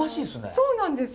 そうなんです！